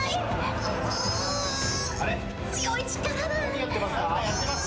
・何かやってます？